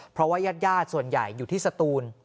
เพราะว่ายาดส่วนใหญ่อยู่ที่สตูน